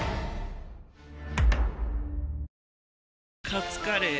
カツカレー？